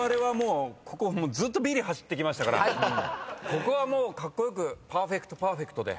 ここはもうカッコ良くパーフェクトパーフェクトで。